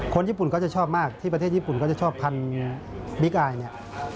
คนญี่ปุ่นเขาจะชอบมากที่ประเทศญี่ปุ่นเขาจะชอบพันธุ์บิ๊กอายเนี่ย